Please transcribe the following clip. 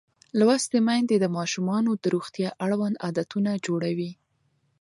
لوستې میندې د ماشومانو د روغتیا اړوند عادتونه جوړوي.